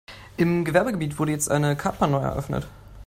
Im Gewerbegebiet wurde jetzt eine Kartbahn neu eröffnet.